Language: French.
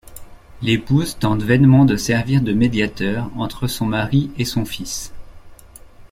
L'épouse tente vainement de servir de médiateur entre son mari et son fils.